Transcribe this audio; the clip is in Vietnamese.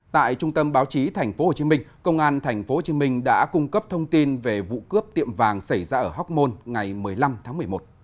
tại trung tâm báo chí tp hcm công an tp hcm đã cung cấp thông tin về vụ cướp tiệm vàng xảy ra ở hoc mon ngày một mươi năm tháng một mươi một